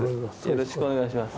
よろしくお願いします。